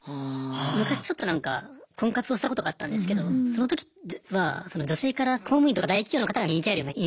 昔ちょっとなんか婚活をしたことがあったんですけどその時は女性から公務員とか大企業の方が人気あるような印象があったんですよ。